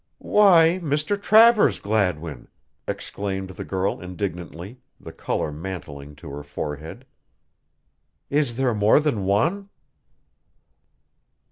"Why, Mr. Travers Gladwin!" exclaimed the girl indignantly, the color mantling to her forehead. "Is there more than one?"